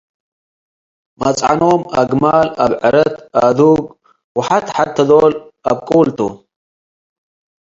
መጽዕኖም አግማል፤፣ አብዕረት፣ አዱግ ወሐት-ሐቴ ዶል አብቁል ቱ ።